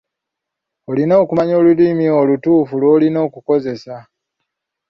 Olina okumanya olulimi olutuufu lw'olina okukozesa.